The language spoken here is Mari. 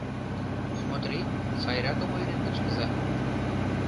Смотри, сайракым ойырен кычкыза.